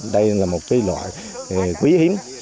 đây là một loại quý hiếm